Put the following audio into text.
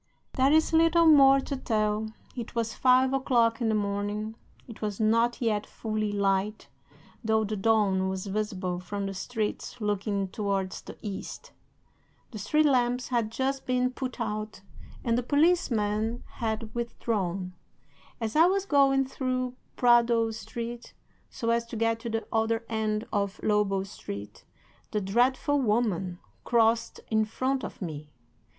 "'There is little more to tell. It was five o'clock in the morning. It was not yet fully light, though the dawn was visible from the streets looking towards the east. The street lamps had just been put out, and the policemen had withdrawn. As I was going through Prado Street, so as to get to the other end of Lobo Street, the dreadful woman crossed in front of me.